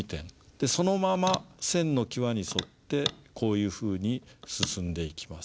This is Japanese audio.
でそのまま線の際に沿ってこういうふうに進んでいきます。